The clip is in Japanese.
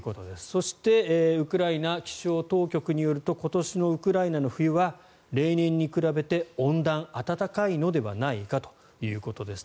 そしてウクライナ気象当局によると今年のウクライナの冬は例年に比べて温暖暖かいのではないかということです。